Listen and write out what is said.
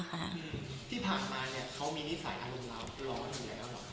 ที่ผ่านมาเนี่ยเขามีนิสัยอารมณ์ร้อนหรือยัง